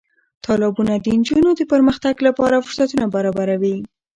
تالابونه د نجونو د پرمختګ لپاره فرصتونه برابروي.